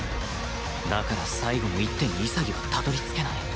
だから最後の一手に潔はたどり着けない